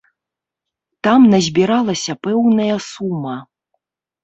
Там назбіралася пэўная сума.